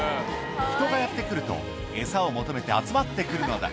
人がやって来ると、餌を求めて集まってくるのだ。